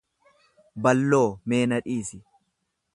Balloo mee na dhiisi.